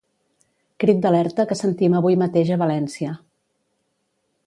Crit d'alerta que sentim avui mateix a València.